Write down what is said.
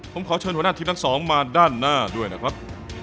ผมขอเชิญหัวหน้าทีมทั้งสองมาด้านหน้าด้วยนะครับ